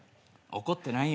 怒ってないよ。